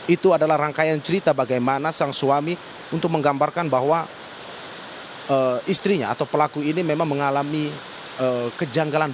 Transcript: itu adalah rangkaian cerita bagaimana sang suami untuk menggambarkan bahwa istrinya atau pelaku ini memang mengalami kejanggalan